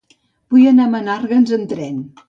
Vull anar a Menàrguens amb tren.